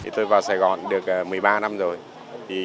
tôi vào sài gòn được một mươi ba năm rồi